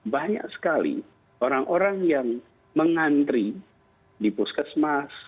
banyak sekali orang orang yang mengantri di puskesmas